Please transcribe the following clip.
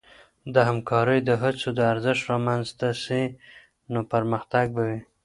د همکارۍ د هڅو د ارزښت رامنځته سي، نو پرمختګ به وي.